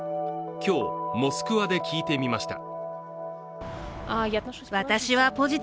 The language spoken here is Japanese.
今日、モスクワで聞いてみました。